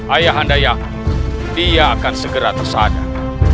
ayah anda yang aku dia akan segera tersadar